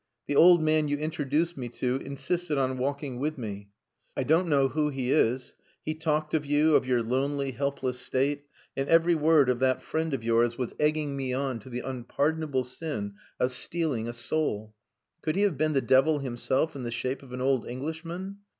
The old man you introduced me to insisted on walking with me. I don't know who he is. He talked of you, of your lonely, helpless state, and every word of that friend of yours was egging me on to the unpardonable sin of stealing a soul. Could he have been the devil himself in the shape of an old Englishman?